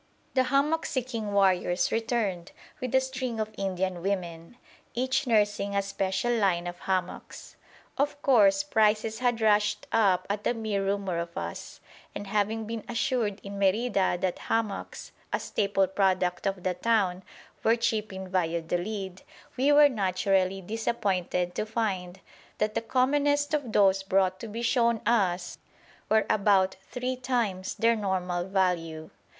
The hammock seeking warriors returned with a string of Indian women, each nursing "a special line" of hammocks. Of course prices had rushed up at the mere rumour of us, and having been assured in Merida that hammocks, a staple product of the town, were cheap in Valladolid, we were naturally disappointed to find that the commonest of those brought to be shown us were about three times their normal value.